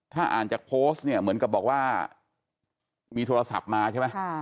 ถ้าอ่านจากโพสต์เนี่ยเหมือนกับบอกว่ามีโทรศัพท์มาใช่ไหม